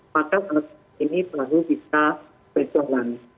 maka ini baru bisa berjalan